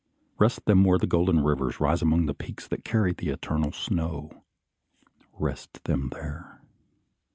Rest them where golden rivers rise among peaks that carry the eternal snow. Rest them there.